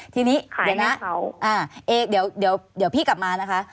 ทีนี้เดี๋ยวนะเอกเดี๋ยวพี่กลับมานะคะ